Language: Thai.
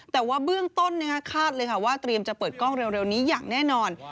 แต่ว่าเบื้องต้นคาดเลยค่ะว่าเตรียมจะเปิดกล้องเร็วนี้อย่างแน่นอน